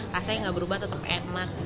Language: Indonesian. rasanya nggak berubah tetap enak